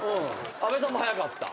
阿部さんも速かった。